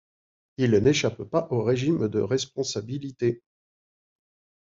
Il n’échappe pas au régime de responsabilité.